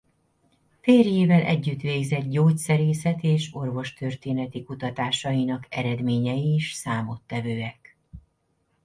Férjével együtt végzett gyógyszerészet- és orvostörténeti kutatásainak eredményei is számottevőek.